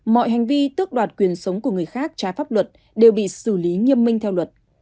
mọi hành vi tước đoạt quyền sống của người khác trái pháp luật đều bị xử lý nghiêm minh theo luật